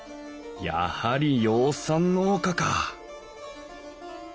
やはり養蚕農家か！